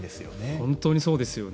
本当にそうですよね。